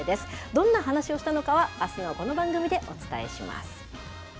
どんな話をしたのかは、あすのこの番組でお伝えします。